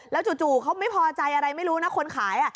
จู่เขาไม่พอใจอะไรไม่รู้นะคนขาย